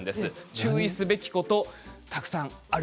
注意すべきこと、たくさんある